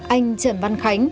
anh trần văn khánh